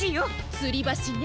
つりばしね。